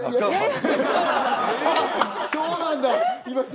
そうなんだ！